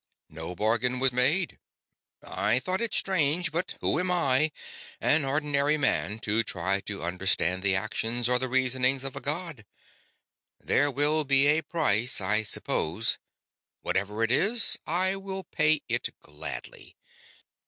"No bargain was made. I thought it strange, but who am I, an ordinary man, to try to understand the actions or the reasonings of a god? There will be a price, I suppose. Whatever it is, I will pay it gladly."